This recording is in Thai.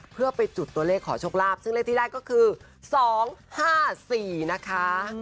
เพื่อไปจุดตัวเลขขอโชคลาภซึ่งเลขที่ได้ก็คือ๒๕๔นะคะ